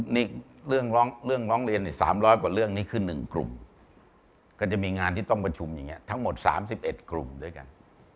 นี่เรื่องร้องเรียน๓๐๐กว่าเรื่องนี้คือ๑กลุ่มก็จะมีงานที่ต้องประชุมอย่างนี้ทั้งหมด๓๑กลุ่มด้วยกัน